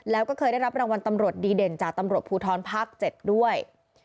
แล้วก็เคยได้รับรางวัลตำรวจดีเด่นจากตำรวจภูทรภาค๗ด้วย